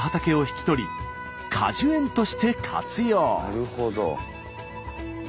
なるほど！